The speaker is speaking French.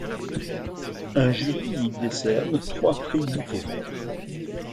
Un jury y décerne trois prix littéraires.